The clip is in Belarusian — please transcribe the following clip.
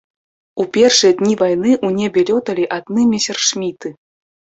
У першыя дні вайны ў небе лёталі адны месершміты!